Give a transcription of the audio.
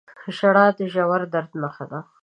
• ژړا د ژور درد نښه ده.